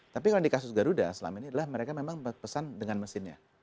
tapi kalau di kasus garuda selama ini adalah mereka memang berpesan dengan mesinnya